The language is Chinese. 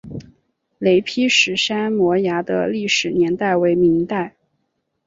雷劈石山摩崖的历史年代为明代。